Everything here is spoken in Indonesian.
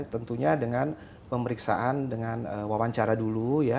tentunya dengan pemeriksaan dengan wawancara dulu ya